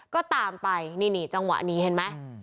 ก็ตามไปนี่จังหวะนี้เห็นไหม